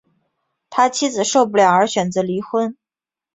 他妻子受不了而选择离婚